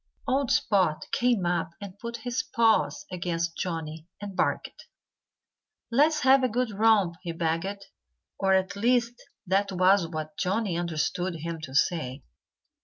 Old Spot came up and put his paws against Johnnie and barked. "Let's have a good romp!" he begged. Or at least that was what Johnnie understood him to say.